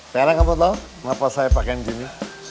sekarang kamu tahu kenapa saya pakai gini